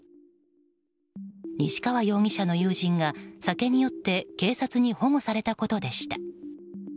西川容疑者の友人が、酒に酔って警察に保護されたことでした。